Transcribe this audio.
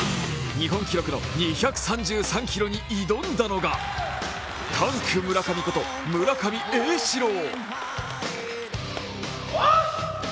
日本記録の２３３ｋｇに挑んだのが、タンク村上こと、村上英士朗。